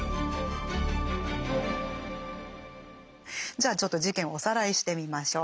じゃあちょっと事件をおさらいしてみましょう。